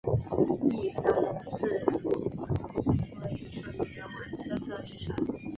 亦曾蒙市府评为艺术与人文特色学校。